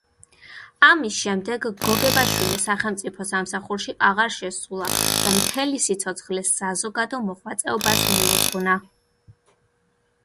ამის შემდეგ, გოგებაშვილი სახელმწიფო სამსახურში აღარ შესულა და მთელი სიცოცხლე საზოგადო მოღვაწეობას მიუძღვნა.